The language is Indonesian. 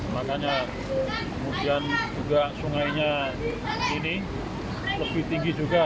makanya kemudian juga sungainya ini lebih tinggi juga